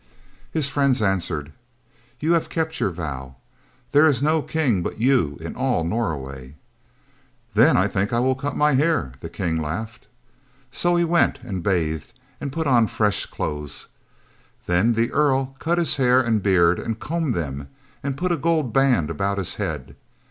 His friends answered: "You have kept your vow. There is no king but you in all Norway." "Then I think I will cut my hair," the king laughed. So he went and bathed and put on fresh clothes. Then the earl cut his hair and beard and combed them and put a gold band about his head.